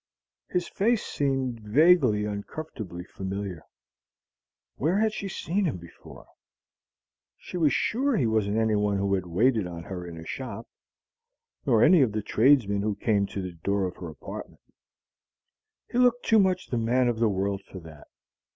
His face seemed vaguely, uncomfortably familiar. Where had she seen him before? She was sure he wasn't anyone who had waited on her in a shop, nor any of the tradesmen who came to the door of her apartment: he looked too much the man of the world for that.